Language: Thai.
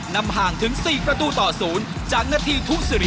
นำห่างถึงสี่ประตูต่อศูนย์จากนาทีทุกษิริ